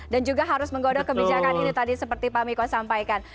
juga harus menggodok kebijakan ini tadi seperti pak miko sampaikan